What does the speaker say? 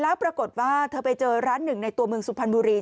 แล้วปรากฏว่าเธอไปเจอร้านหนึ่งในตัวเมืองสุพรรณบุรี